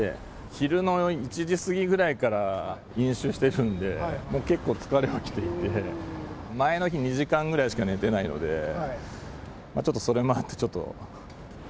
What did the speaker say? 昼の１時過ぎぐらいから飲酒してるんで、もう結構疲れ果てていて、前の日、２時間ぐらいしか寝てないので、ちょっとそれもあって、ちょっと。